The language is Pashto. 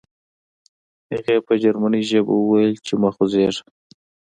هغې په جرمني ژبه وویل چې مه خوځېږه